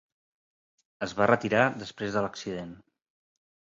Es va retirar després de l'accident.